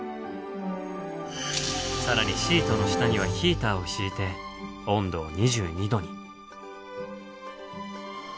更にシートの下にはヒーターを敷いて温度を２２度に。